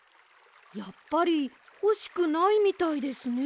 やっぱりほしくないみたいですね。